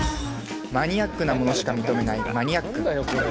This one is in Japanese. マニアックなものしか認めないマニアッくん